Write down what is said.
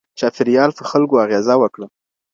چاپېریال په خلګو اغیزه وکړه.